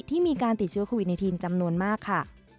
มีการติดเชื้อโควิด๑๙จำนวนมากค่ะ